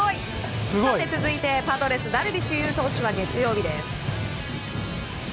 続いてパドレスのダルビッシュ有投手月曜日です。